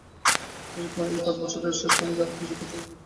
এই পাঁচ বৎসরের চেষ্টায় আমি যা হোক কিছু কৃতকার্য হয়েছি।